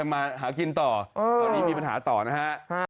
มาหากินต่อตอนนี้มีปัญหาต่อนะฮะ